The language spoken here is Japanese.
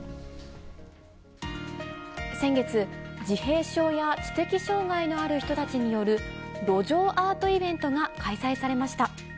先月、自閉症や、知的障がいのある人たちによる路上アートイベントが開催されました。